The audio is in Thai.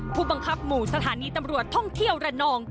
ผู้บังคับหมู่สถานีตำรวจท่องเที่ยวระนอง